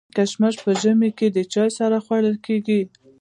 کشمش په ژمي کي د چايو سره خوړل کيږي.